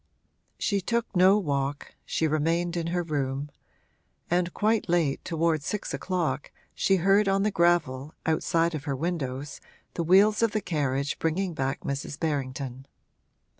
She took no walk, she remained in her room, and quite late, towards six o'clock, she heard on the gravel, outside of her windows, the wheels of the carriage bringing back Mrs. Berrington.